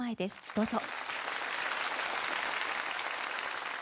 どうぞ。